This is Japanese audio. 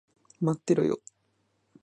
待ってろよ。